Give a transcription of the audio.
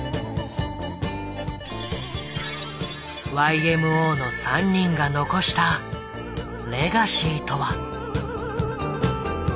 ＹＭＯの３人が残したレガシーとは。